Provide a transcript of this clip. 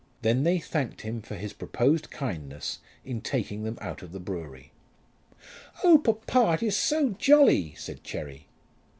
Then they thanked him for his proposed kindness in taking them out of the brewery. "Oh, papa, it is so jolly!" said Cherry.